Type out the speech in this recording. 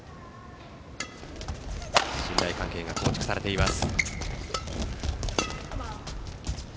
信頼関係が構築されています。